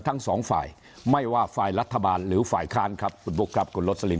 ทั้งสองฝ่ายไม่ว่าฝ่ายรัฐบาลหรือฝ่ายค้าน